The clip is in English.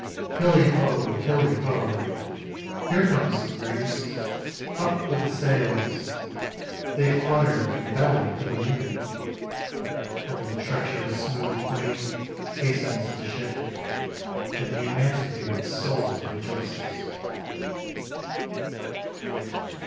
Hilli ho! Hilli ho! Here comes the breeze. Up with the sails! They flutter and belly to the wind. Over the treacherous smooth plain Hastens the ship And the emancipated soul rejoices.